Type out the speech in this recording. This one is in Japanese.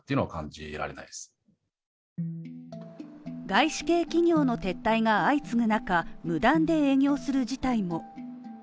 外資系企業の撤退が相次ぐ中無断で影響する事態も。